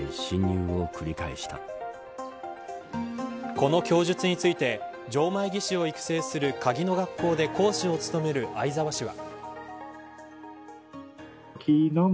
この供述について錠前技師を育成する鍵の学校で講師を務める相澤氏は。